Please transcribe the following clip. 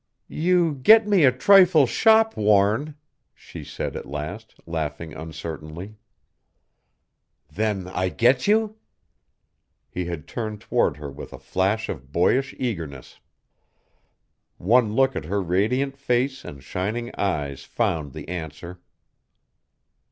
"You get me a trifle shop worn," she said at last, laughing uncertainly. "Then I get you?" He had turned toward her with a flash of boyish eagerness. One look at her radiant face and shining eyes found the answer.